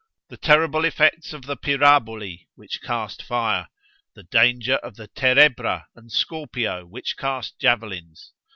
—the terrible effects of the PYRABOLI, which cast fire;—the danger of the TEREBRA and SCORPIO, which cast javelins.